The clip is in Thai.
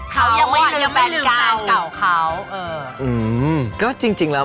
คนนี้เองจะต้องจีบติดอยู่แล้ว